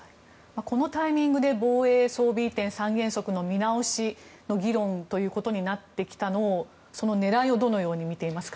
このタイミングで防衛装備移転三原則の見直しの議論となってきたその狙いをどのように見ていますか？